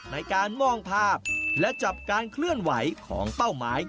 ในการมองภาพและจับการเคลื่อนไหวของเป้าหมาย